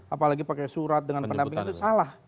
apalagi pakai surat dengan pendampingan itu salah